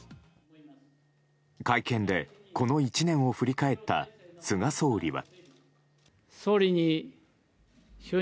会見で、この１年を振り返った菅総理は。